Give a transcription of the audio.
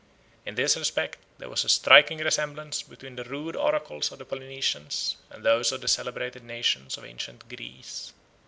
In this respect there was a striking resemblance between the rude oracles of the Polynesians, and those of the celebrated nations of ancient Greece.